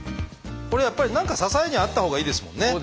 これやっぱり何か支えにあったほうがいいですもんね。